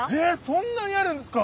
そんなにあるんですか！？